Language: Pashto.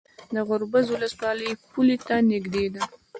د ګربز ولسوالۍ پولې ته نږدې ده